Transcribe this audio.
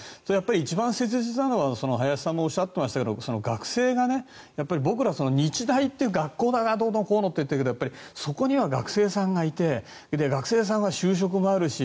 一番切実なのは林さんがおっしゃっていましたが学生が僕ら、日大という学校がどうのこうのって言ってるけどそこには学生さんがいて学生さんは就職もあるし